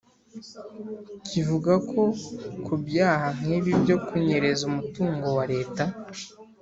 kivuga ko ku byaha nk'ibi byo kunyereza umutungo wa leta